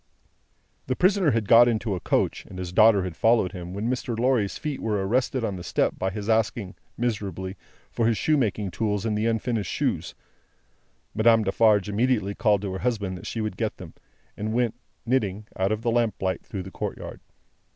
The prisoner had got into a coach, and his daughter had followed him, when Mr. Lorry's feet were arrested on the step by his asking, miserably, for his shoemaking tools and the unfinished shoes. Madame Defarge immediately called to her husband that she would get them, and went, knitting, out of the lamplight, through the courtyard.